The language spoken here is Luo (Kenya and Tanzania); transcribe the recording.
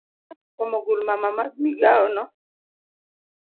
Achiel kuom ogulmama mag migawono